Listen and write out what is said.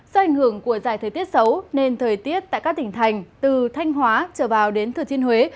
do ảnh hưởng của giải thời tiết xấu nên thời tiết tại các tỉnh thành từ thanh hóa trở vào đến thừa thiên huế